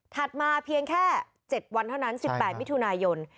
มาเพียงแค่๗วันเท่านั้น๑๘มิถุนายน